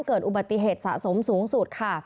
เกิดอุบัติเหตุสะสมสูงสุดค่ะ